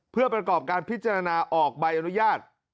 เพื่อประกอบการพิจารณาออกใบอนุญาต